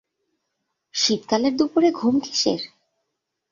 শীতকালের দুপুরে ঘুম কিসের?